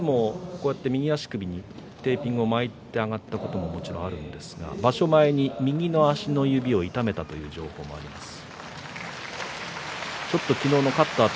これまでもこうやって右足首にテーピングを巻いて上がったことももちろんありましたが場所前に右の足首を痛めたという情報もありました。